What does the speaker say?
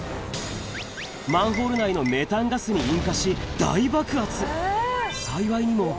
マンホール内のメタンガスに引火し、大爆発。